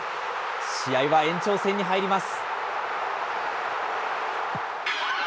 試合は延長戦に入ります。